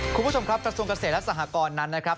คุณผู้ชมครับกระทรวงเกษตรและสหกรนั้นนะครับ